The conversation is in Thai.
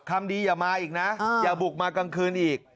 คำดีอย่ามาอีกนะอย่าบุกมากลางคืนอีก